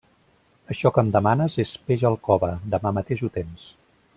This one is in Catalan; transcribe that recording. Això que em demanes és peix al cove. Demà mateix ho tens.